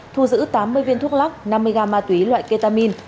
thu giữ tám mươi viên thuốc lắc năm mươi gam ma túy loại ketamin